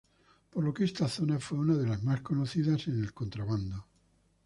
Por lo que esta zona fue una de las más conocidas en el contrabando..